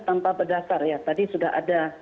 tanpa berdasar ya tadi sudah ada